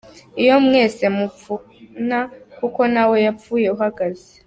iyo mwese mupfana kuko nawe wapfuye uhagaze.